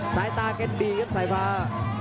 สายตาแกดีครับสายฟ้า